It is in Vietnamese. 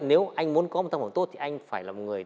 nếu anh muốn có một tầm hồn tốt thì anh phải là một người